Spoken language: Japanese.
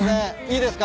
いいですか？